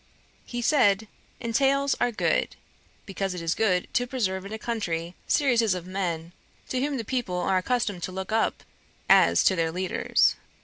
He said, 'Entails are good, because it is good to preserve in a country, serieses of men, to whom the people are accustomed to look up as to their leaders.